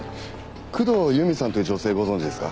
工藤由美さんという女性ご存じですか？